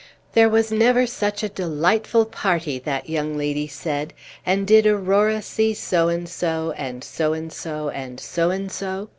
"There was never such a delightful party," that young lady said; "and did Aurora see so and so, and so and so, and so and so?